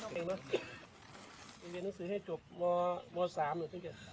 มีเรียนหนังสือให้จบม๓หน่อยใช่ไหม